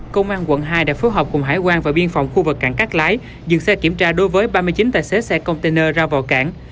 công an quận hai đã phối hợp cùng hải quan và biên phòng khu vực cảng cát lái dừng xe kiểm tra đối với ba mươi chín tài xế xe container ra vào cảng